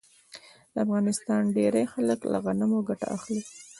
د افغانستان ډیری خلک له غنمو ګټه اخلي.